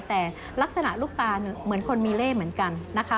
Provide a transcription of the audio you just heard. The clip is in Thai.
แต่ลักษณะลูกตาเหมือนคนมีเล่เหมือนกันนะคะ